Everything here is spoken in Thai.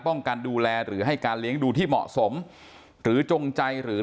กันดูแลหรือให้การเลี้ยงดูที่เหมาะสมหรือจงใจหรือ